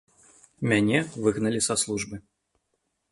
Мяне выгналі з службы.